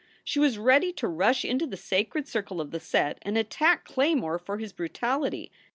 She was ready to rush into the sacred circle of the set and attack Claymore for his brutality.